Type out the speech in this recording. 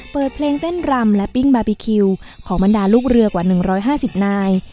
เปิดเพลงเต้นรำและปิ้งบาร์บีคิวของบรรดาลูกเรือกว่า๑๕๐นาย